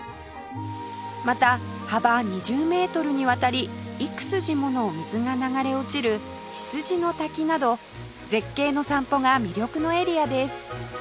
また幅２０メートルにわたり幾筋もの水が流れ落ちる千条の滝など絶景の散歩が魅力のエリアです